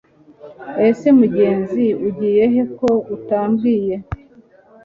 ese mugenzi ugiye he ko utambwiye